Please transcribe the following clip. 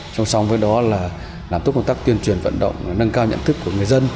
song song với đó là làm tốt công tác tuyên truyền vận động nâng cao nhận thức của người dân